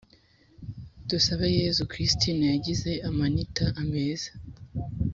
dusabeyezu christine yagize amanita meza